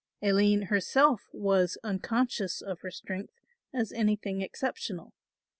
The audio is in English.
Aline herself indeed was unconscious of her strength as anything exceptional.